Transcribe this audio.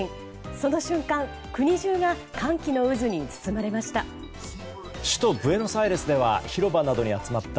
その瞬間、国中が歓喜の渦に包まれました。